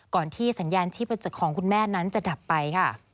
ก่อนที่สัญญาณที่ประจักของคุณแม่นั้นจะดับไป